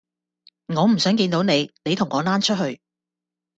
我唔想見到你，你同我躝出去